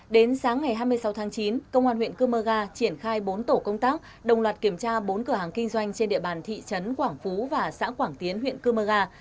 đến sáng ngày hai mươi sáu tháng chín công an huyện cơ mơ ga triển khai bốn tổ công tác đồng loạt kiểm tra bốn cửa hàng kinh doanh trên địa bàn thị trấn quảng phú và xã quảng tiến huyện cơ mơ ga